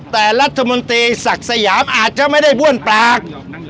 แต่รัฐมนตรีศักดิ์สยามอาจจะไม่ได้บ้วนปาก